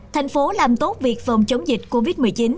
thành phố làm tốt việc phòng chống dịch covid một mươi chín